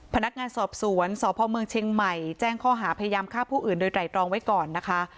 พนักงานสอบสวนสพเมืองเชียงใหม่แจ้งข้อหาพยายามฆ่าผู้อื่นโดยไตรรองไว้ก่อนนะคะ